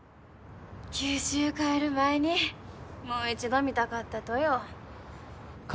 九州帰る前にもう一度見たかったとよ。